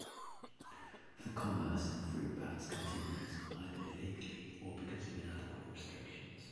The commerce in fruit bats continues either illegally or because of inadequate restrictions.